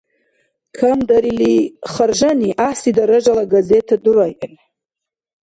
Камдарили харжанира, гӀяхӀси даражала газета дурайэн.